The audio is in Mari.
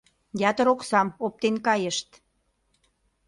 Ятыр оксам оптен кайышт.